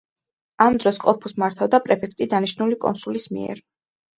ამ დროს კორფუს მართავდა პრეფექტი დანიშნული კონსულის მიერ.